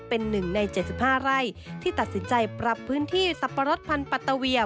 เป็นหนึ่งใน๗๕ไร่ที่ตัดสินใจปรับพื้นที่สับปะรดพันธ์ปัตตาเวีย